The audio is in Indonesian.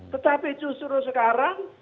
tetapi justru sekarang